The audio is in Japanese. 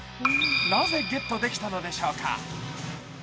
なぜゲットできたのでしょうか。